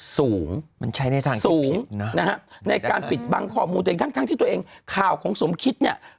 สูงสูงในการปิดบังข้อมูลของสมฆิตนี่